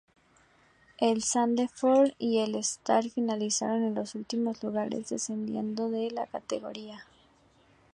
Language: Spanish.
El Sandefjord y el Start finalizaron en los últimos lugares, descendiendo de categoría.